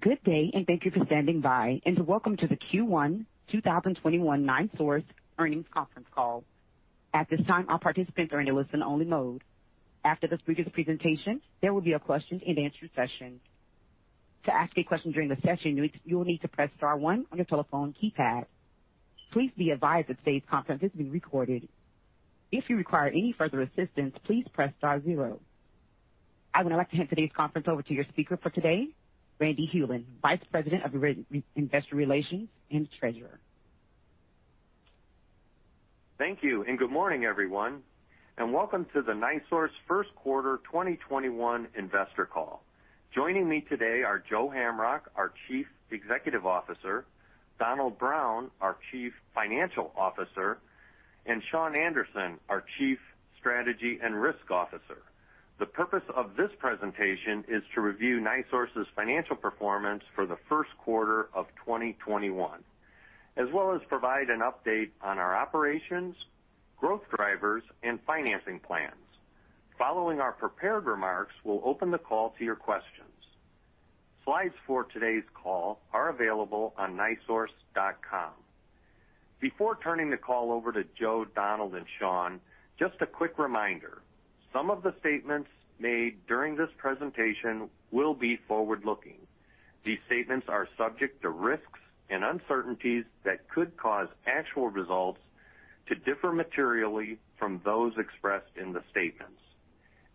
Good day, and thank you for standing by, and welcome to the Q1 2021 NiSource Earnings Conference Call. At this time, all participants are in listen only mode. After the speaker's presentation, there will be a question and answer session. To ask a question during the session, you will need to press star one on your telephone keypad. Please be advised that today's conference is being recorded. If you require any further assistance, please press star zero. I would like to hand today's conference over to your speaker for today, Randy Hulen, Vice President of Investor Relations and Treasurer. Thank you. Good morning, everyone, and welcome to the NiSource First Quarter 2021 Investor Call. Joining me today are Joe Hamrock, our Chief Executive Officer, Donald Brown, our Chief Financial Officer, and Shawn Anderson, our Chief Strategy and Risk Officer. The purpose of this presentation is to review NiSource's financial performance for the first quarter of 2021, as well as provide an update on our operations, growth drivers, and financing plans. Following our prepared remarks, we'll open the call to your questions. Slides for today's call are available on nisource.com. Before turning the call over to Joe, Donald, and Shawn, just a quick reminder, some of the statements made during this presentation will be forward-looking. These statements are subject to risks and uncertainties that could cause actual results to differ materially from those expressed in the statements.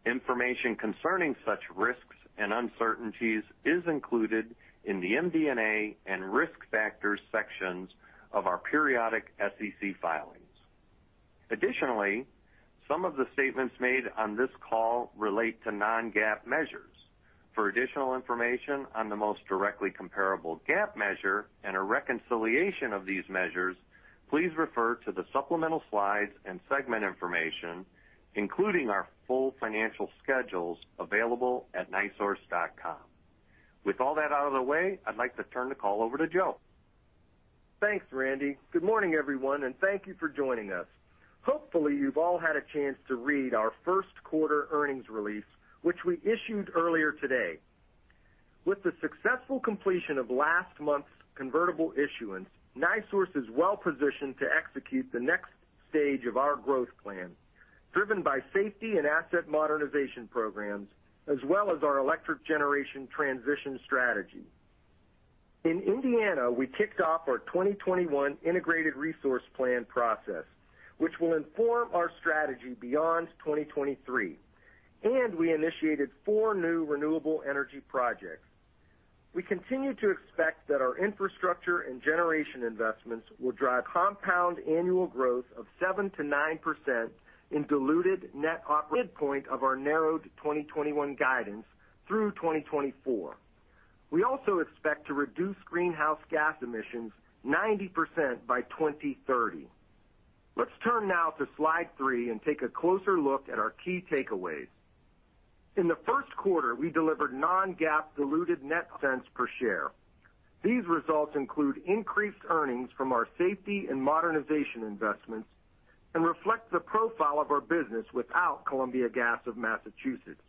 Information concerning such risks and uncertainties is included in the MD&A and Risk Factors sections of our periodic SEC filings. Additionally, some of the statements made on this call relate to non-GAAP measures. For additional information on the most directly comparable GAAP measure and a reconciliation of these measures, please refer to the supplemental slides and segment information, including our full financial schedules available at nisource.com. With all that out of the way, I'd like to turn the call over to Joe. Thanks, Randy. Good morning, everyone, and thank you for joining us. Hopefully, you've all had a chance to read our first quarter earnings release, which we issued earlier today. With the successful completion of last month's convertible issuance, NiSource is well-positioned to execute the next stage of our growth plan, driven by safety and asset modernization programs, as well as our electric generation transition strategy. In Indiana, we kicked off our 2021 integrated resource plan process, which will inform our strategy beyond 2023. We initiated four new renewable energy projects. We continue to expect that our infrastructure and generation investments will drive compound annual growth of 7%-9% in diluted net op midpoint of our narrowed 2021 guidance through 2024. We also expect to reduce greenhouse gas emissions 90% by 2030. Let's turn now to slide three and take a closer look at our key takeaways. In the first quarter, we delivered non-GAAP diluted net cents per share. These results include increased earnings from our safety and modernization investments and reflect the profile of our business without Columbia Gas of Massachusetts.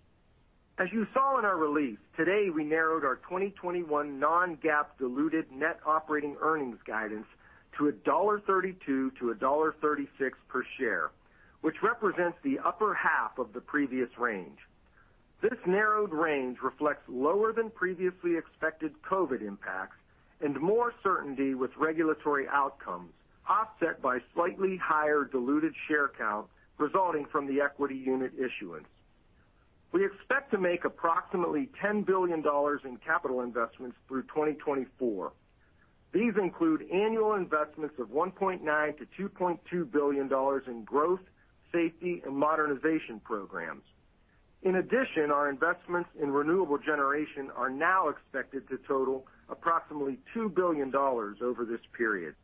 As you saw in our release, today we narrowed our 2021 non-GAAP diluted net operating earnings guidance to $1.32-$1.36 per share, which represents the upper half of the previous range. This narrowed range reflects lower than previously expected COVID impacts and more certainty with regulatory outcomes, offset by slightly higher diluted share count resulting from the equity unit issuance. We expect to make approximately $10 billion in capital investments through 2024. These include annual investments of $1.9 billion-$2.2 billion in growth, safety, and modernization programs. In addition, our investments in renewable generation are now expected to total approximately $2 billion over this period.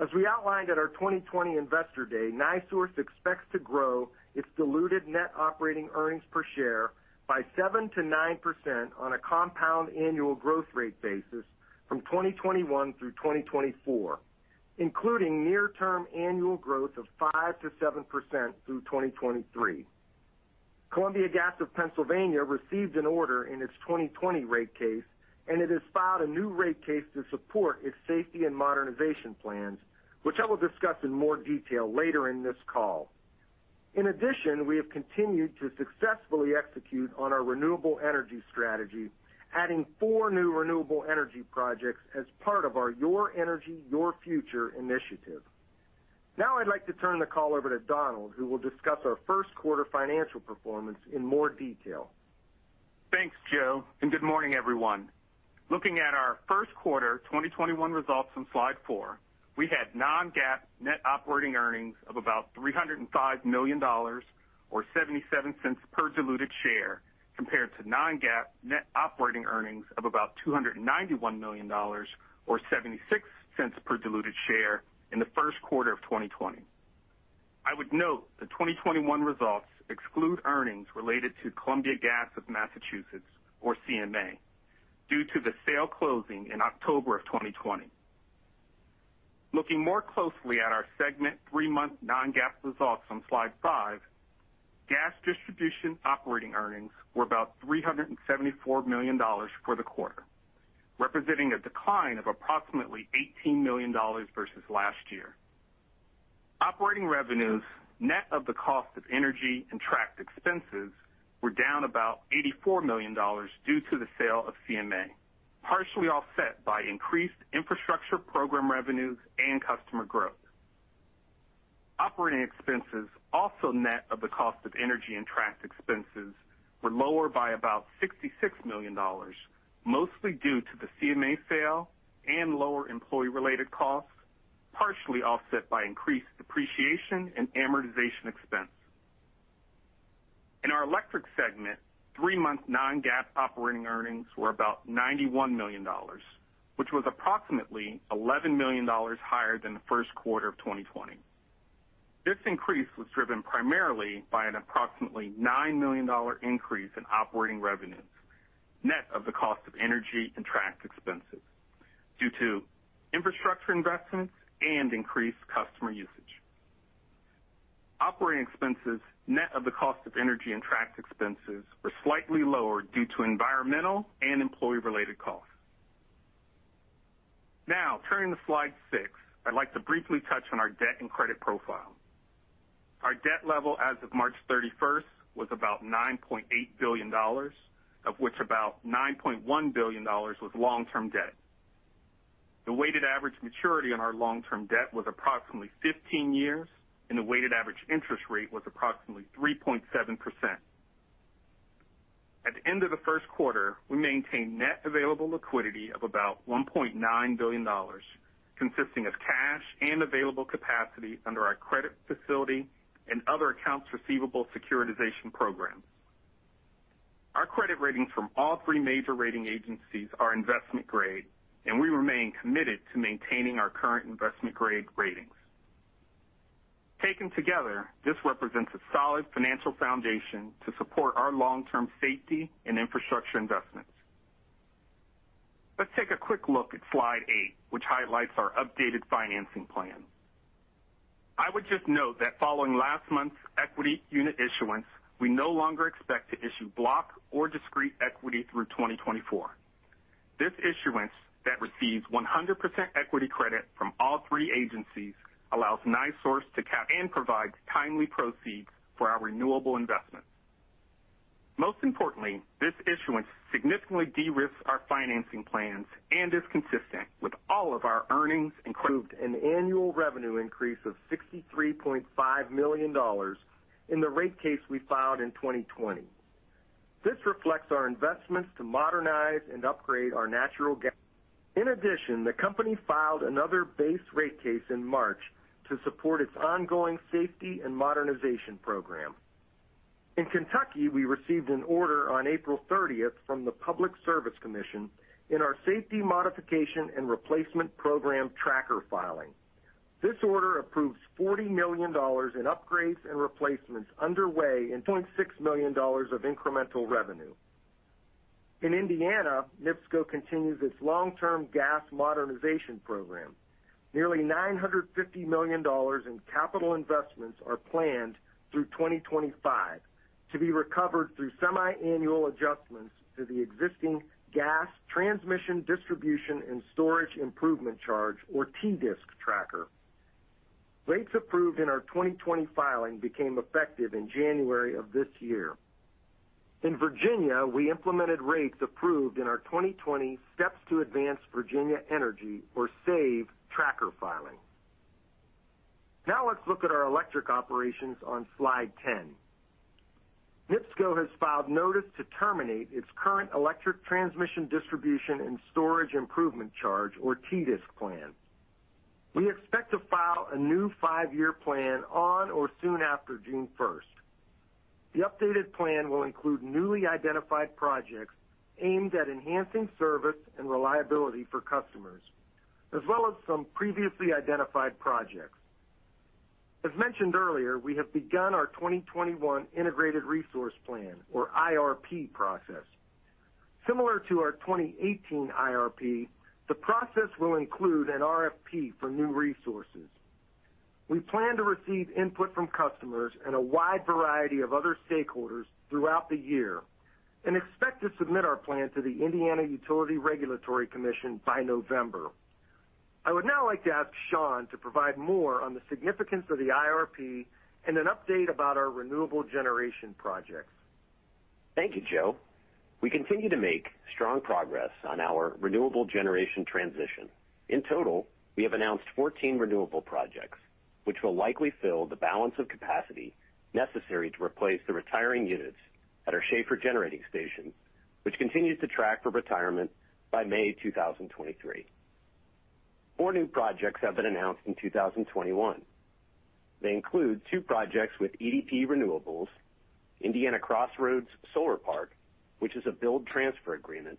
As we outlined at our 2020 Investor Day, NiSource expects to grow its diluted net operating earnings per share by 7%-9% on a compound annual growth rate basis from 2021 through 2024, including near-term annual growth of 5%-7% through 2023. Columbia Gas of Pennsylvania received an order in its 2020 rate case, and it has filed a new rate case to support its safety and modernization plans, which I will discuss in more detail later in this call. In addition, we have continued to successfully execute on our renewable energy strategy, adding four new renewable energy projects as part of our Your Energy, Your Future initiative. Now I'd like to turn the call over to Donald, who will discuss our first quarter financial performance in more detail. Thanks, Joe, and good morning, everyone. Looking at our first quarter 2021 results on slide four, we had non-GAAP net operating earnings of about $305 million or $0.77 per diluted share, compared to non-GAAP net operating earnings of about $291 million or $0.76 per diluted share in the first quarter of 2020. I would note the 2021 results exclude earnings related to Columbia Gas of Massachusetts, or CMA, due to the sale closing in October of 2020. Looking more closely at our segment three-month non-GAAP results on slide five, gas distribution operating earnings were about $374 million for the quarter, representing a decline of approximately $18 million versus last year. Operating revenues, net of the cost of energy and tracked expenses, were down about $84 million due to the sale of CMA, partially offset by increased infrastructure program revenues and customer growth. Operating expenses, also net of the cost of energy and tracked expenses, were lower by about $66 million, mostly due to the CMA sale and lower employee-related costs, partially offset by increased depreciation and amortization expense. In our electric segment, three-month non-GAAP operating earnings were about $91 million, which was approximately $11 million higher than the first quarter of 2020. This increase was driven primarily by an approximately $9 million increase in operating revenues, net of the cost of energy and tracked expenses, due to infrastructure investments and increased customer usage. Operating expenses, net of the cost of energy and tracked expenses, were slightly lower due to environmental and employee-related costs. Turning to slide six, I'd like to briefly touch on our debt and credit profile. Our debt level as of March 31st was about $9.8 billion, of which about $9.1 billion was long-term debt. The weighted average maturity on our long-term debt was approximately 15 years, and the weighted average interest rate was approximately 3.7%. At the end of the first quarter, we maintained net available liquidity of about $1.9 billion, consisting of cash and available capacity under our credit facility and other accounts receivable securitization programs. Our credit ratings from all three major rating agencies are investment-grade, and we remain committed to maintaining our current investment-grade ratings. Taken together, this represents a solid financial foundation to support our long-term safety and infrastructure investments. Let's take a quick look at slide eight, which highlights our updated financing plan. I would just note that following last month's equity unit issuance, we no longer expect to issue block or discrete equity through 2024. This issuance that receives 100% equity credit from all three agencies allows NiSource to cap and provide timely proceeds for our renewable investments. Most importantly, this issuance significantly de-risks our financing plans and is consistent with all of our earnings improved an annual revenue increase of $63.5 million in the rate case we filed in 2020. This reflects our investments to modernize and upgrade our natural gas. In addition, the company filed another base rate case in March to support its ongoing safety and modernization program. In Kentucky, we received an order on April 30th from the Public Service Commission in our safety modification and replacement program tracker filing. This order approves $40 million in upgrades and replacements underway, and $2.6 million of incremental revenue. In Indiana, NIPSCO continues its long-term gas modernization program. Nearly $950 million in capital investments are planned through 2025 to be recovered through semi-annual adjustments to the existing gas Transmission, Distribution, and Storage System Improvement Charge or TDSIC tracker. Rates approved in our 2020 filing became effective in January of this year. In Virginia, we implemented rates approved in our 2020 Steps to Advance Virginia Energy, or SAVE tracker filing. Now let's look at our electric operations on slide 10. NIPSCO has filed notice to terminate its current electric transmission, distribution, and storage improvement charge, or TDISC plan. We expect to file a new five-year plan on or soon after June 1st. The updated plan will include newly identified projects aimed at enhancing service and reliability for customers, as well as some previously identified projects. As mentioned earlier, we have begun our 2021 Integrated Resource Plan, or IRP process. Similar to our 2018 IRP, the process will include an RFP for new resources. We plan to receive input from customers and a wide variety of other stakeholders throughout the year and expect to submit our plan to the Indiana Utility Regulatory Commission by November. I would now like to ask Shawn to provide more on the significance of the IRP and an update about our renewable generation projects. Thank you, Joe. We continue to make strong progress on our renewable generation transition. In total, we have announced 14 renewable projects, which will likely fill the balance of capacity necessary to replace the retiring units at our Schahfer Generating Station, which continues to track for retirement by May 2023. Four new projects have been announced in 2021. They include two projects with EDP Renewables, Indiana Crossroads Solar Park, which is a build transfer agreement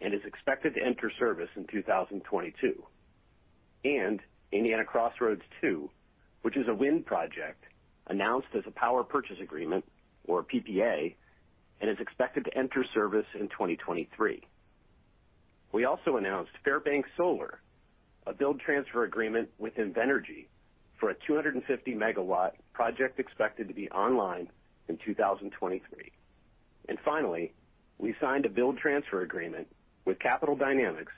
and is expected to enter service in 2022. Indiana Crossroads II, which is a wind project announced as a power purchase agreement or PPA. Is expected to enter service in 2023. We also announced Fairbanks Solar, a build transfer agreement with Invenergy for a 250 MW project expected to be online in 2023. Finally, we signed a build transfer agreement with Capital Dynamics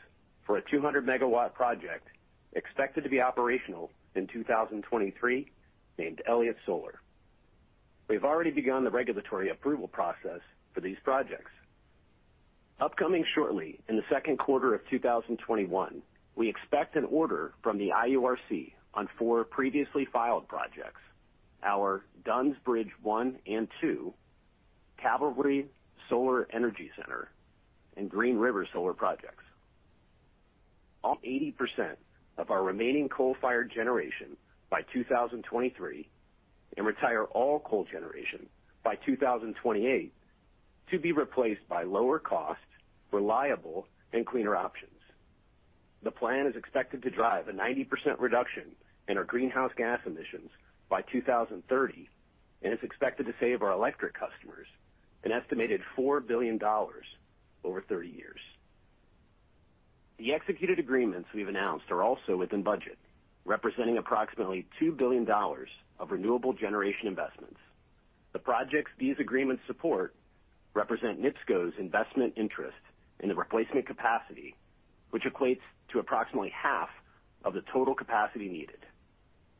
for a 200 MW project expected to be operational in 2023, named Elliott Solar. We've already begun the regulatory approval process for these projects. Upcoming shortly, in the second quarter of 2021, we expect an order from the IURC on four previously filed projects. Our Dunns Bridge one and two, Cavalry Solar Energy Center, and Green River Solar projects. On 80% of our remaining coal-fired generation by 2023, and retire all coal generation by 2028, to be replaced by lower cost, reliable, and cleaner options. The plan is expected to drive a 90% reduction in our greenhouse gas emissions by 2030, and is expected to save our electric customers an estimated $4 billion over 30 years. The executed agreements we've announced are also within budget, representing approximately $2 billion of renewable generation investments. The projects these agreements support represent NIPSCO's investment interest in the replacement capacity, which equates to approximately half of the total capacity needed.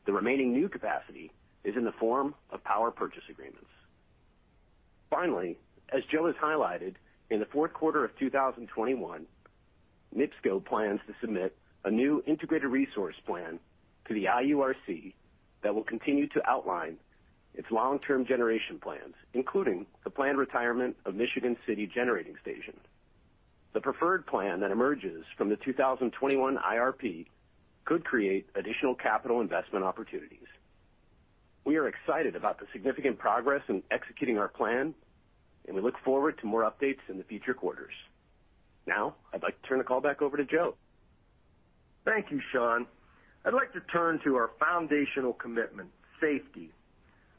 The remaining new capacity is in the form of power purchase agreements. Finally, as Joe has highlighted, in the fourth quarter of 2021, NIPSCO plans to submit a new Integrated Resource Plan to the IURC that will continue to outline its long-term generation plans, including the planned retirement of Michigan City Generating Station. The preferred plan that emerges from the 2021 IRP could create additional capital investment opportunities. We are excited about the significant progress in executing our plan, and we look forward to more updates in the future quarters. Now, I'd like to turn the call back over to Joe. Thank you, Shawn. I'd like to turn to our foundational commitment, safety.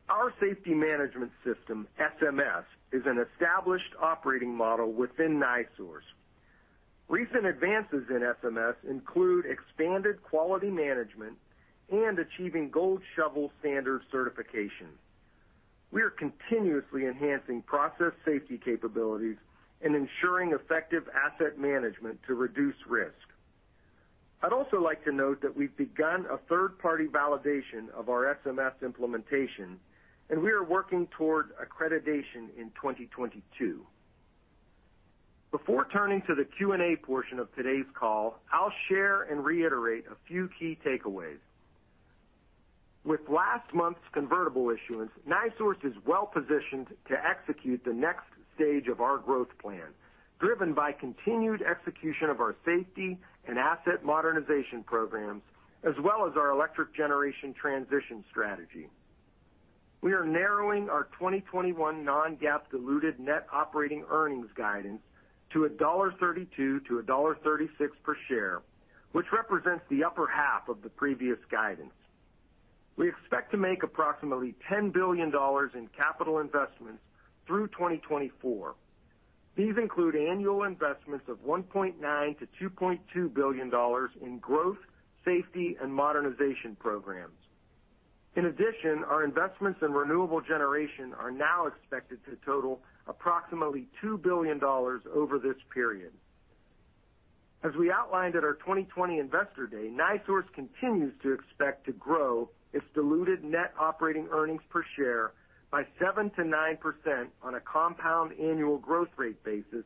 Our safety management system, SMS, is an established operating model within NiSource. Recent advances in SMS include expanded quality management and achieving Gold Shovel Standard certification. We are continuously enhancing process safety capabilities and ensuring effective asset management to reduce risk. I'd also like to note that we've begun a third-party validation of our SMS implementation, and we are working toward accreditation in 2022. Before turning to the Q&A portion of today's call, I'll share and reiterate a few key takeaways. With last month's convertible issuance, NiSource is well-positioned to execute the next stage of our growth plan, driven by continued execution of our safety and asset modernization programs, as well as our electric generation transition strategy. We are narrowing our 2021 non-GAAP diluted net operating earnings guidance to $1.32-$1.36 per share, which represents the upper half of the previous guidance. We expect to make approximately $10 billion in capital investments through 2024. These include annual investments of $1.9 billion-$2.2 billion in growth, safety, and modernization programs. Our investments in renewable generation are now expected to total approximately $2 billion over this period. As we outlined at our 2020 Investor Day, NiSource continues to expect to grow its diluted net operating earnings per share by 7%-9% on a compound annual growth rate basis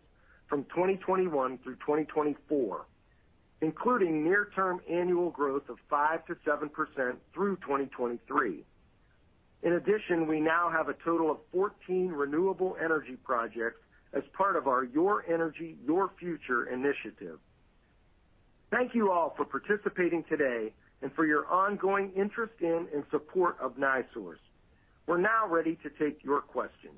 from 2021 through 2024, including near-term annual growth of 5%-7% through 2023. We now have a total of 14 renewable energy projects as part of our Your Energy. Your Future. initiative. Thank you all for participating today and for your ongoing interest in and support of NiSource. We're now ready to take your questions.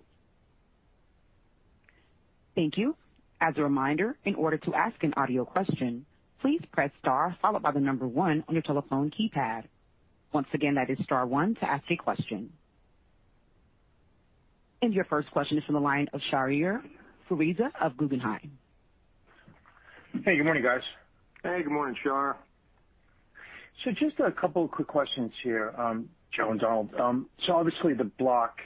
Thank you. As a reminder, in order to ask an audio question, please press star followed by the number 1 on your telephone keypad. Once again, that is star one to ask a question. Your first question is from the line of Shahriar Pourreza of Guggenheim. Hey, good morning, guys. Hey, good morning, Shar. Just a couple of quick questions here, Joe and Donald. Obviously the block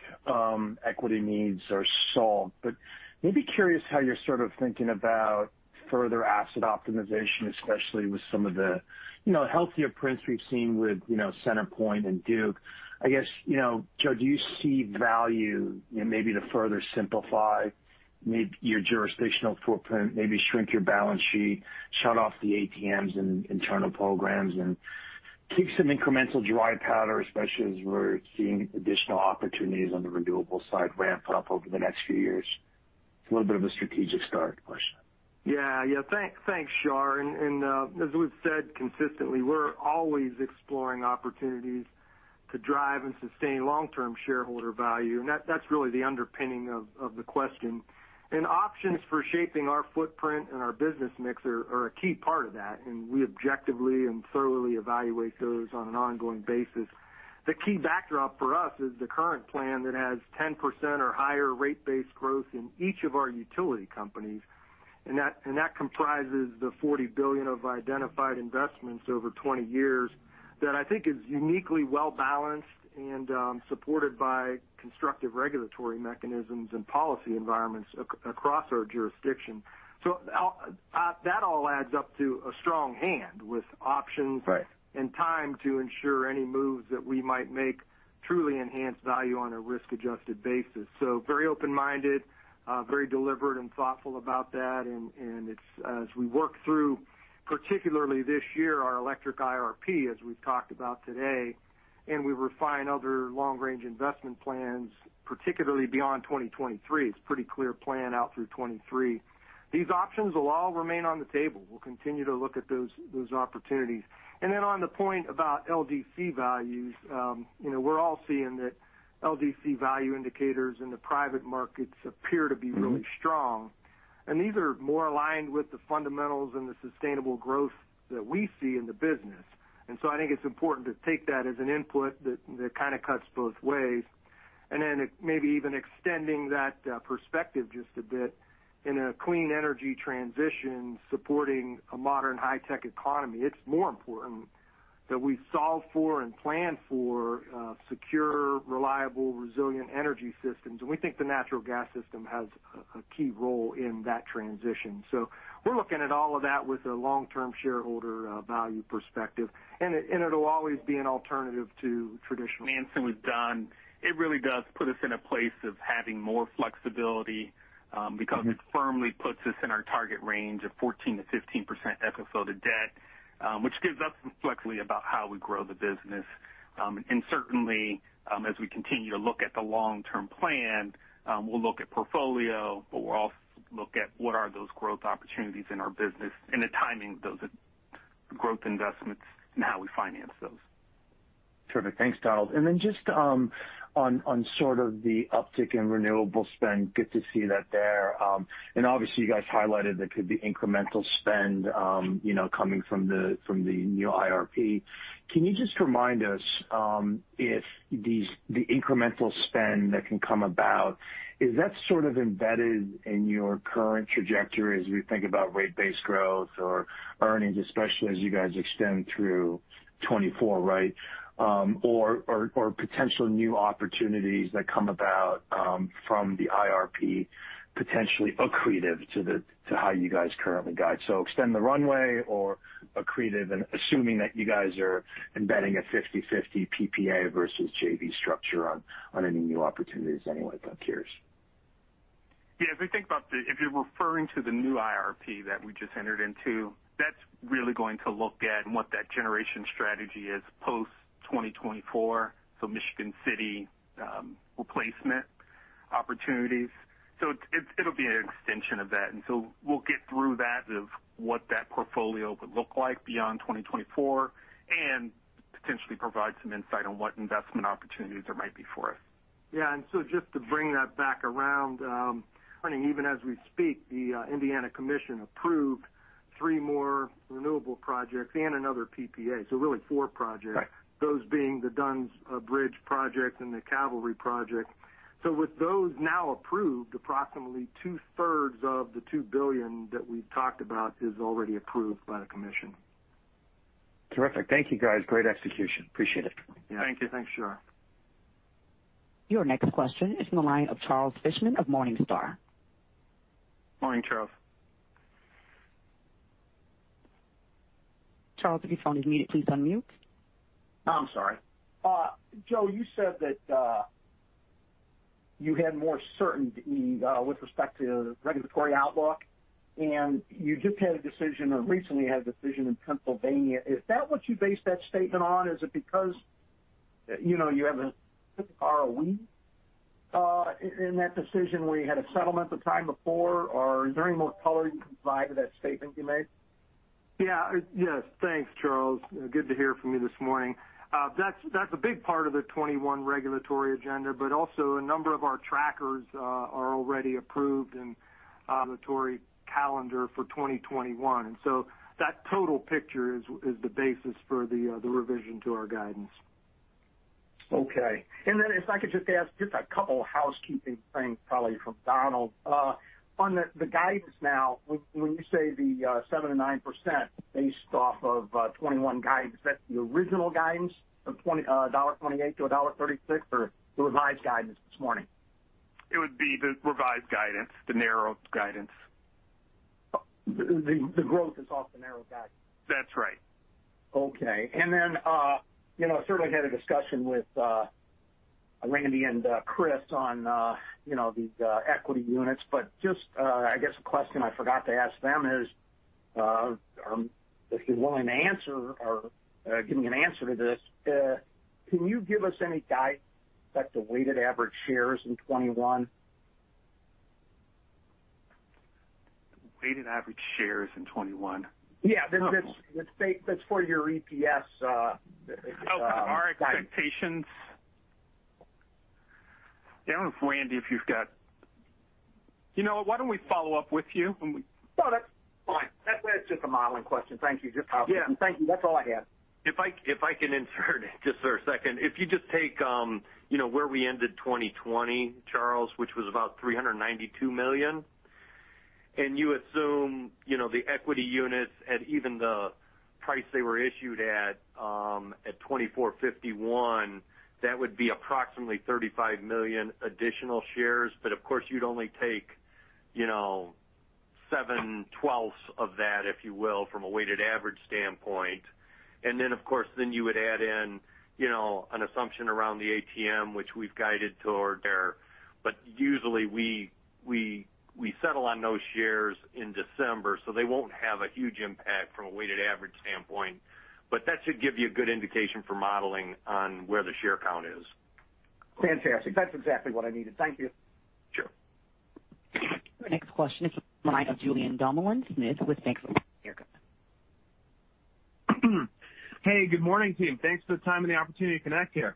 equity needs are solved, but maybe curious how you're sort of thinking about further asset optimization, especially with some of the healthier prints we've seen with CenterPoint Energy and Duke Energy. I guess, Joe, do you see value in maybe to further simplify your jurisdictional footprint, maybe shrink your balance sheet, shut off the ATMs and internal programs, and keep some incremental dry powder, especially as we're seeing additional opportunities on the renewable side ramp up over the next few years? It's a little bit of a strategic start question. Yeah. Thanks, Shar. As we've said consistently, we're always exploring opportunities to drive and sustain long-term shareholder value. That's really the underpinning of the question. Options for shaping our footprint and our business mix are a key part of that. We objectively and thoroughly evaluate those on an ongoing basis. The key backdrop for us is the current plan that has 10% or higher rate-based growth in each of our utility companies. That comprises the $40 billion of identified investments over 20 years that I think is uniquely well-balanced and supported by constructive regulatory mechanisms and policy environments across our jurisdiction. That all adds up to a strong hand with options. Right And time to ensure any moves that we might make truly enhance value on a risk-adjusted basis. Very open-minded, very deliberate and thoughtful about that, and as we work through, particularly this year, our electric IRP, as we've talked about today, and we refine other long-range investment plans, particularly beyond 2023. It's a pretty clear plan out through 2023. These options will all remain on the table. We'll continue to look at those opportunities. On the point about LDC values. We're all seeing that LDC value indicators in the private markets appear to be really strong. These are more aligned with the fundamentals and the sustainable growth that we see in the business. I think it's important to take that as an input that kind of cuts both ways. Maybe even extending that perspective just a bit in a clean energy transition supporting a modern high-tech economy. It's more important that we solve for and plan for secure, reliable, resilient energy systems. We think the natural gas system has a key role in that transition. We're looking at all of that with a long-term shareholder value perspective, and it'll always be an alternative to traditional. Manson was done. It really does put us in a place of having more flexibility, because it firmly puts us in our target range of 14%-15% FFO to debt, which gives us some flexibility about how we grow the business. Certainly, as we continue to look at the long-term plan, we'll look at portfolio, but we'll also look at what are those growth opportunities in our business and the timing of those growth investments and how we finance those. Terrific. Thanks, Donald. Just on sort of the uptick in renewable spend, good to see that there. Obviously you guys highlighted there could be incremental spend coming from the new IRP. Can you just remind us if the incremental spend that can come about, is that sort of embedded in your current trajectory as we think about rate-based growth or earnings, especially as you guys extend through 2024, right? Potential new opportunities that come about from the IRP, potentially accretive to how you guys currently guide. Extend the runway or accretive, and assuming that you guys are embedding a 50/50 PPA versus JV structure on any new opportunities anyway. I'm curious. Yeah, if you're referring to the new IRP that we just entered into, that's really going to look at what that generation strategy is post 2024, so Michigan City replacement opportunities. It'll be an extension of that. We'll get through that of what that portfolio would look like beyond 2024 and potentially provide some insight on what investment opportunities there might be for us. Yeah, just to bring that back around, hunting, even as we speak, the Indiana Commission approved three more renewable projects and another PPA, so really four projects. Right. Those being the Dunns Bridge project and the Cavalry project. With those now approved, approximately two-thirds of the $2 billion that we've talked about is already approved by the commission. Terrific. Thank you, guys. Great execution. Appreciate it. Yeah. Thank you. Thanks, Shahriar. Your next question is from the line of Charles Fishman of Morningstar. Morning, Charles. Charles, if your phone is muted, please unmute. I'm sorry. Joe, you said that you had more certainty with respect to the regulatory outlook, and you just had a decision, or recently had a decision in Pennsylvania. Is that what you based that statement on? Is it because you have a ROE in that decision where you had a settlement the time before? Is there any more color you can provide to that statement you made? Yes. Thanks, Charles. Good to hear from you this morning. That's a big part of the 2021 regulatory agenda, but also a number of our trackers are already approved in regulatory calendar for 2021. That total picture is the basis for the revision to our guidance. Okay. If I could just ask just a couple housekeeping things, probably from Donald. On the guidance now, when you say the 7%-9% based off of 2021 guidance, is that the original guidance of $1.28-$1.36 or the revised guidance this morning? It would be the revised guidance. The narrowed guidance. The growth is off the narrowed guidance? That's right. Okay. I certainly had a discussion with Randy and Chris on these equity units, just I guess a question I forgot to ask them is, if you're willing to answer or give me an answer to this, can you give us any guidance on what the weighted average shares in 2021? Weighted average shares in 2021? Yeah. That's for your EPS guidance. I don't know, Randy, why don't we follow up with you when we. No, that's fine. That's just a modeling question. Thank you. Yeah. Thank you. That's all I had. If I can insert just for a second. If you just take where we ended 2020, Charles, which was about $392 million, and you assume the equity units at even the price they were issued at $24.51, that would be approximately $35 million additional shares. Of course, you'd only take 7/12 of that, if you will, from a weighted average standpoint. Then, of course, then you would add in an assumption around the ATM, which we've guided toward there. Usually, we settle on those shares in December, so they won't have a huge impact from a weighted average standpoint. That should give you a good indication for modeling on where the share count is. Fantastic. That's exactly what I needed. Thank you. Sure. Your next question is the line of Julien Dumoulin-Smith with BofA. Hey, good morning, team. Thanks for the time and the opportunity to connect here.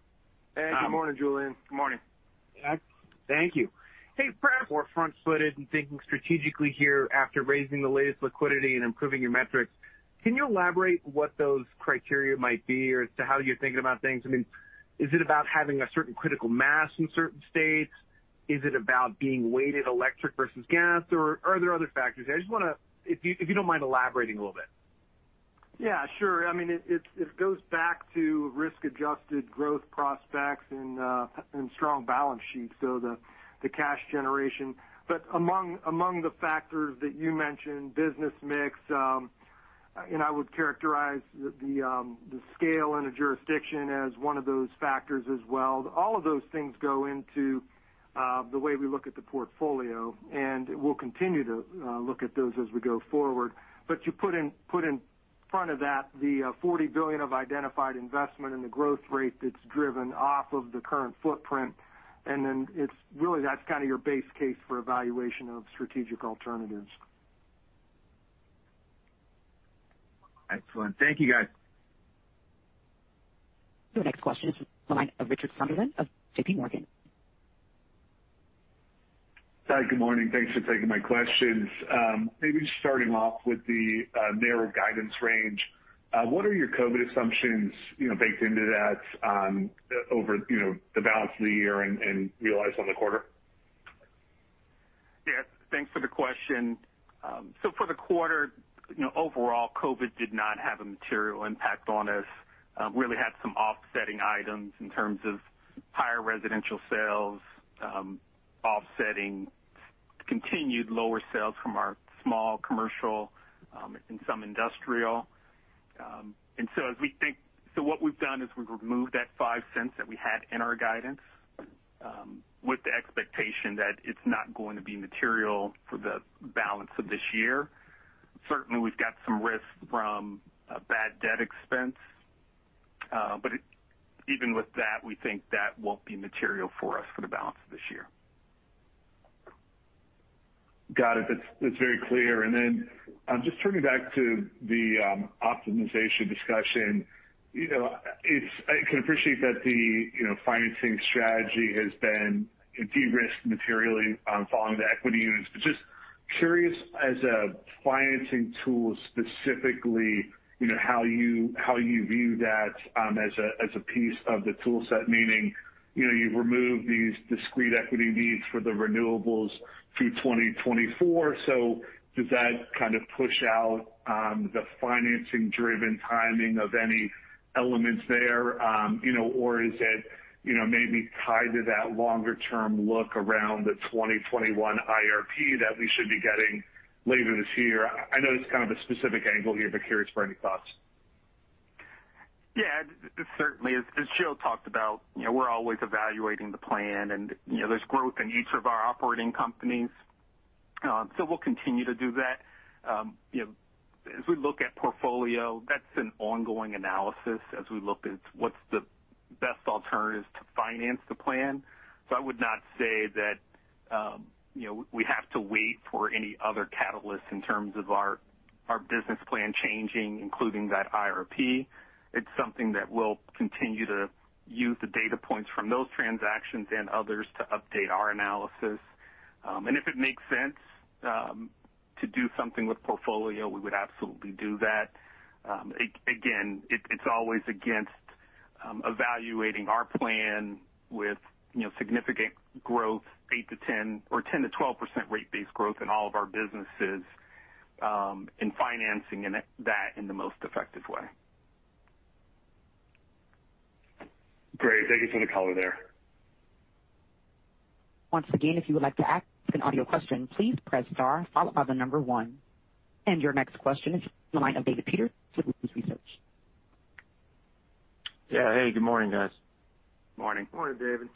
Hey, good morning, Julien. Good morning. Thank you. Hey, perhaps more front-footed and thinking strategically here after raising the latest liquidity and improving your metrics, can you elaborate what those criteria might be or as to how you're thinking about things? I mean, is it about having a certain critical mass in certain states? Is it about being weighted electric versus gas, or are there other factors there? If you don't mind elaborating a little bit. Yeah, sure. It goes back to risk-adjusted growth prospects and strong balance sheets, so the cash generation. Among the factors that you mentioned, business mix, and I would characterize the scale in a jurisdiction as one of those factors as well. All of those things go into the way we look at the portfolio, and we'll continue to look at those as we go forward. You put in front of that the $40 billion of identified investment and the growth rate that's driven off of the current footprint, and then really that's kind of your base case for evaluation of strategic alternatives. Excellent. Thank you, guys. Your next question is the line of Richard Sunderland of JPMorgan. Hi. Good morning. Thanks for taking my questions. Maybe just starting off with the narrow guidance range. What are your COVID assumptions baked into that over the balance of the year and realized on the quarter? Yes, thanks for the question. For the quarter, overall COVID did not have a material impact on us. Really had some offsetting items in terms of higher residential sales offsetting continued lower sales from our small commercial and some industrial. What we've done is we've removed that $0.05 that we had in our guidance with the expectation that it's not going to be material for the balance of this year. Certainly, we've got some risk from a bad debt expense. Even with that, we think that won't be material for us for the balance of this year. Got it. That's very clear. Just turning back to the optimization discussion. I can appreciate that the financing strategy has been de-risked materially following the equity units, just curious as a financing tool specifically, how you view that as a piece of the tool set, meaning, you've removed these discrete equity needs for the renewables through 2024. Does that kind of push out the financing-driven timing of any elements there? Is it maybe tied to that longer-term look around the 2021 IRP that we should be getting later this year? I know this is kind of a specific angle here, curious for any thoughts. Certainly. As Joe Hamrock talked about, we're always evaluating the plan, and there's growth in each of our operating companies. We'll continue to do that. As we look at portfolio, that's an ongoing analysis as we look at what's the best alternatives to finance the plan. I would not say that we have to wait for any other catalyst in terms of our business plan changing, including that IRP. It's something that we'll continue to use the data points from those transactions and others to update our analysis. If it makes sense to do something with portfolio, we would absolutely do that. It's always against evaluating our plan with significant growth, 10%-12% rate base growth in all of our businesses, and financing that in the most effective way. Great. Thank you for the color there. Once again, if you would like to ask an audio question, please press star followed by the number one. Your next question is the line of David Peter with Raymond James Research. Yeah. Hey, good morning, guys. Morning. Morning, David.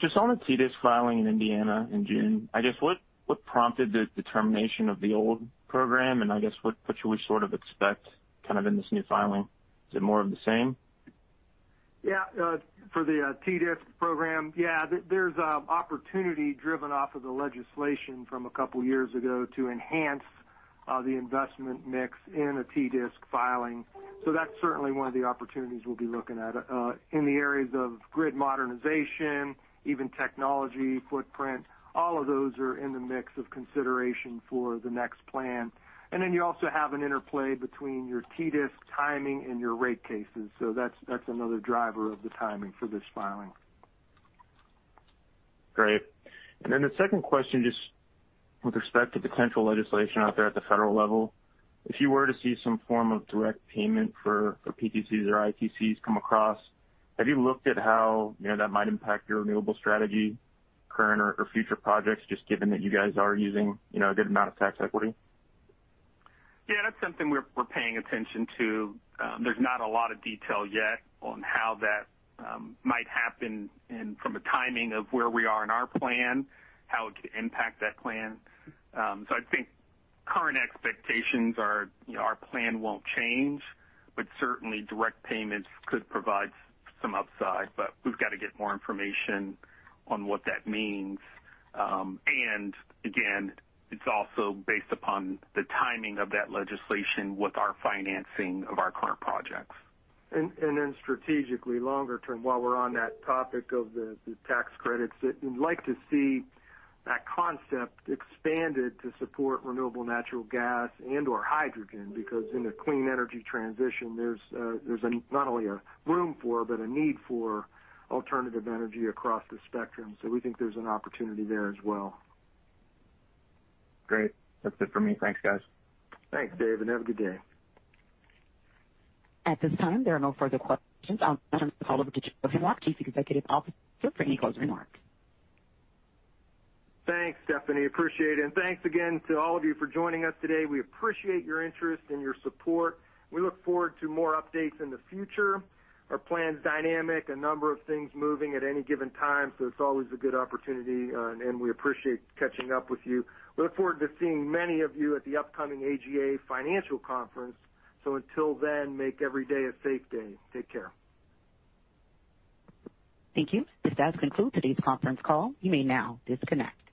Just on the TDISC filing in Indiana in June, I guess what prompted the termination of the old program, and I guess what should we sort of expect kind of in this new filing? Is it more of the same? For the TDISC program, there's opportunity driven off of the legislation from a couple of years ago to enhance the investment mix in a TDISC filing. That's certainly one of the opportunities we'll be looking at. In the areas of grid modernization, even technology footprint, all of those are in the mix of consideration for the next plan. You also have an interplay between your TDISC timing and your rate cases. That's another driver of the timing for this filing. Great. The second question, just with respect to potential legislation out there at the federal level, if you were to see some form of direct payment for PTCs or ITCs come across, have you looked at how that might impact your renewable strategy, current or future projects, just given that you guys are using a good amount of tax equity? Yeah, that's something we're paying attention to. There's not a lot of detail yet on how that might happen and from a timing of where we are in our plan, how it could impact that plan. I think current expectations are our plan won't change, but certainly direct payments could provide some upside. We've got to get more information on what that means. Again, it's also based upon the timing of that legislation with our financing of our current projects. Strategically, longer term, while we're on that topic of the tax credits, that we'd like to see that concept expanded to support renewable natural gas and/or hydrogen, because in a clean energy transition, there's not only a room for, but a need for alternative energy across the spectrum. We think there's an opportunity there as well. Great. That's it for me. Thanks, guys. Thanks, David, and have a good day. At this time, there are no further questions. I'll now turn the call over to Joe Hamrock, Chief Executive Officer, for any closing remarks. Thanks, Stephanie, appreciate it. Thanks again to all of you for joining us today. We appreciate your interest and your support. We look forward to more updates in the future. Our plan's dynamic, a number of things moving at any given time, so it's always a good opportunity, and we appreciate catching up with you. We look forward to seeing many of you at the upcoming AGA Financial Forum. Until then, make every day a safe day. Take care. Thank you. This does conclude today's conference call. You may now disconnect.